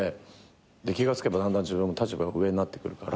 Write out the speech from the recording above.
気が付けばだんだん自分も立場上になってくるから。